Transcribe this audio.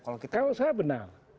kalau saya benar